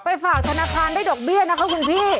ฝากธนาคารได้ดอกเบี้ยนะคะคุณพี่